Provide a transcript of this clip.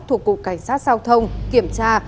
thuộc cục cảnh sát giao thông kiểm tra